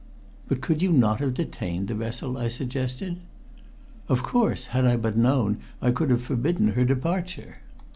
"But could not you have detained the vessel?" I suggested. "Of course, had I but known I could have forbidden her departure.